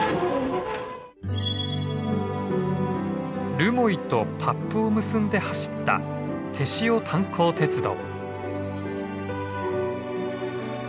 留萌と達布を結んで走った天塩炭礦鉄道。